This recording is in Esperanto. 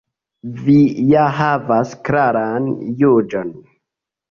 Vi ja havas klaran juĝon.